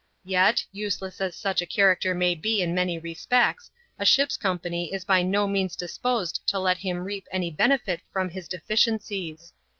Yet, useless as such a character may be in many respects, a ship's company is by no means disposed to let him reap any benefit from his deficiencies.